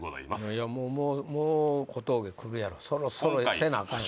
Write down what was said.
いやもうもう小峠くるやろそろそろせなアカンよ